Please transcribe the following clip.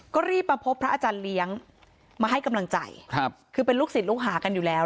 ก็รีบมาพบพระอาจารย์เลี้ยงมาให้กำลังใจครับคือเป็นลูกศิษย์ลูกหากันอยู่แล้ว